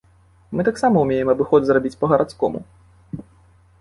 Мы таксама ўмеем абыход зрабіць па-гарадскому.